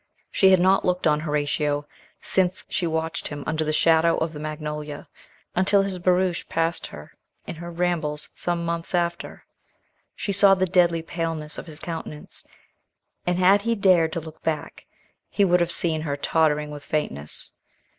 She had not looked on Horatio since she watched him under the shadow of the magnolia, until his barouche passed her in her rambles some months after. She saw the deadly paleness of his countenance, and had he dared to look back, he would have seen her tottering with faintness.